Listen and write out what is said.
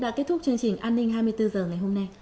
đã kết thúc chương trình an ninh hai mươi bốn h ngày hôm nay